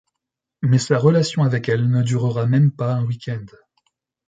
Mais sa relation avec elle ne durera même pas un week-end.